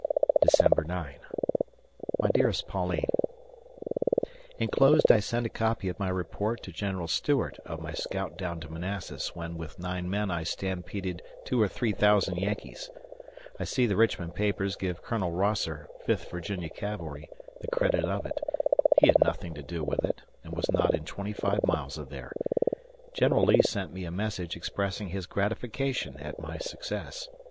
December 9. My dearest Pauline: Enclosed I send a copy of my report to General Stuart of my scout down to Manassas when with nine men I stampeded two or three thousand Yankees. I see the Richmond papers give Col. Rosser [Fifth Va. Cavalry] the credit of it. He had nothing to do with it, and was not in twenty five miles of there. ... General Lee sent me a message expressing his gratification at my success.